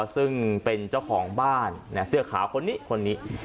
ซึ่งเป็นเจ้าของบ้านเสื้อขาวคนนี้คนนี้